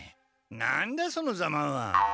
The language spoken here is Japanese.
何だそのざまは！